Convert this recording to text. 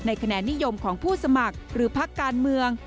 คะแนนนิยมของผู้สมัครหรือพักการเมือง